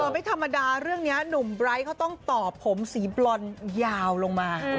ไม่ธรรมดาเรื่องนี้หนุ่มไบร์ทเขาต้องตอบผมสีบรอนยาวลงมา